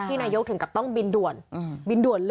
ที่นายกถึงกับต้องบินด่วน